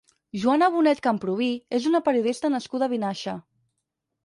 Joana Bonet Camprubí és una periodista nascuda a Vinaixa.